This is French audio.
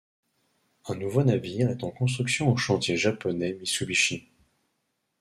Un nouveau navire est en construction au chantier japonais Mitsubishi.